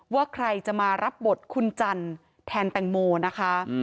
ว่าใครจะมารับบทคุณจันทร์แทนแตงโมนะคะ